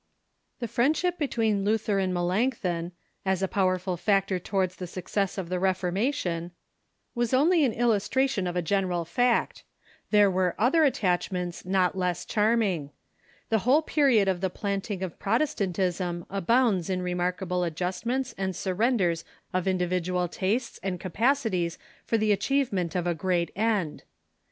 The friendship between Luther and Melanchthon, as a pow erful factor towards the success of the Reformation, was only an illustration of a general fact. There were other attach ments not less charming. The whole period of the Other Friends y,i_.^nting of Protestantism abounds in remarkable of Reform i » adjustments and surrenders of individual tastes and capacities for the achievement of a great end.